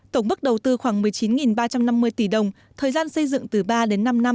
tổng mức đầu tư khoảng một mươi chín ba trăm năm mươi tỷ đồng thời gian xây dựng từ ba đến năm năm